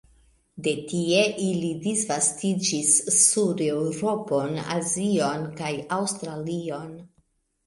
De tie ili disvastiĝis sur Eŭropon, Azion kaj Aŭstralion.